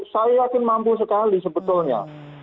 saya yakin mampu sekali sebetulnya